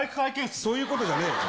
そういうことじゃねぇよ。